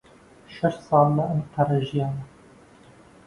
شەش ساڵ لە ئەنقەرە ژیاوە.